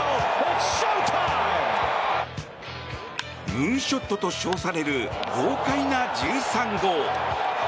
ムーンショットと称される豪快な１３号。